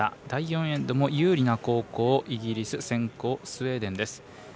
第４エンドも有利な後攻イギリス、先攻スウェーデンです。